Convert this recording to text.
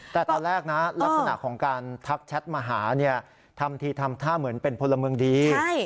แต่ตอนแรกนะลักษณะของการทักแชทมาหาเนี่ยทำทีทำท่าเหมือนเป็นพลเมืองดี